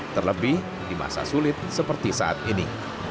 terlebih di masa sulit seperti saat ini